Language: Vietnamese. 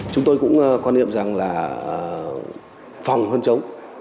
chúng tôi cũng quan niệm rằng là phòng hơn chống